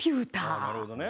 ああなるほどね。